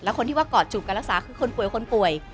คนที่ว่ากอดจูบการรักษาคือคนป่วยคนป่วย